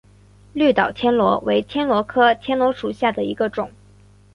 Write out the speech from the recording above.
绿岛天螺为天螺科天螺属下的一个种。